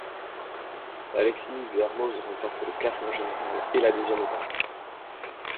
Alexis Vuillermoz remporte le classement général et la deuxième étape.